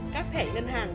các thẻ ngân hàng